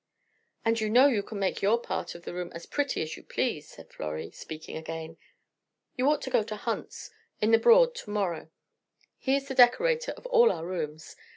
"And you know you can make your own part of the room as pretty as you please," said Florrie, speaking again. "You ought to go to Hunt's, in the Broad, to morrow; he is the decorator of all our rooms.